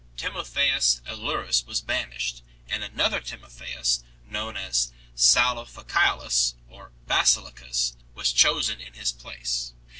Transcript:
Timotheus Aelurus was banished, and another Timotheus, known as Salopha ciolus or Basilicus, was chosen in his place 4